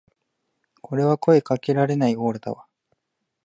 これは声かけられないオーラだわ